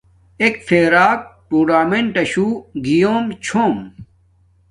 اݵک فݵرݳک ٹݸرنݳمنٹَشݸ گیݸم چھݸم.